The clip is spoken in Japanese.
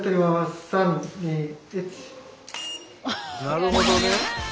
なるほどね。